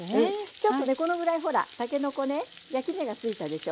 ちょっとねこのぐらいほらたけのこね焼き目がついたでしょ？